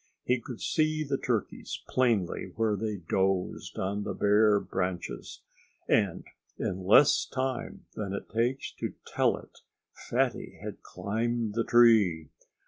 He could see the turkeys plainly where they dozed on the bare branches. And in less time than it takes to tell it Fatty had climbed the tree.